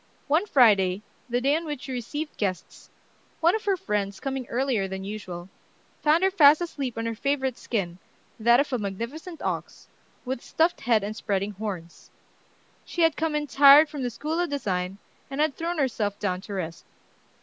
One Friday, the day on which she received guests, one of her friends, coming earlier than usual, found her fast asleep on her favorite skin, that of a magnificent ox, with stuffed head and spreading horns. She had come in tired from the School of Design, and had thrown herself down to rest.